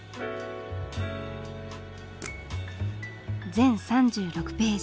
全３６ページ。